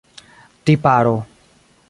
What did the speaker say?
tiparo